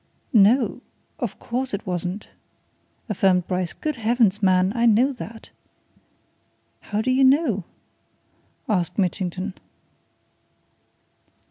"No! of course it wasn't!" affirmed Bryce. "Good Heavens, man I know that!" "How do you know?" asked Mitchington.